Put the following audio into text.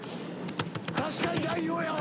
確かに代表やわ。